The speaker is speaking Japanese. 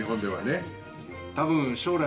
多分。